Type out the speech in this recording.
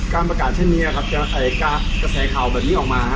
การประกาศเช่นนี้แก้แก้แก้แควดังนี้ออกมา